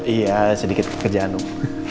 iya sedikit pekerjaan dong